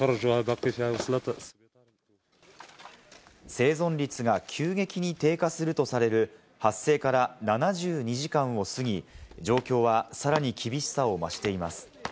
生存率が急激に低下するとされる、発生から７２時間を過ぎ、状況はさらに厳しさを増しています。